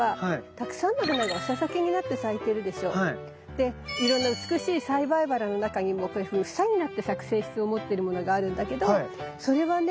でいろんな美しい栽培バラの中にもこういうふうに房になって咲く性質を持ってるものがあるんだけどそれはね